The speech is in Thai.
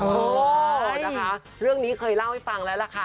เออนะคะเรื่องนี้เคยเล่าให้ฟังแล้วล่ะค่ะ